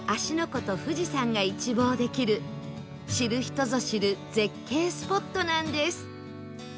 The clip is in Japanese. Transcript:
湖と富士山が一望できる知る人ぞ知る絶景スポットなんです